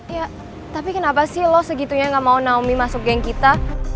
ya tapi kenapa sih lo segitunya gak mau naomi masuk geng kita